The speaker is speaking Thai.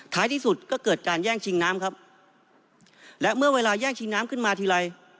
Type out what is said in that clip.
ที่สุดก็เกิดการแย่งชิงน้ำครับและเมื่อเวลาแย่งชิงน้ำขึ้นมาทีไร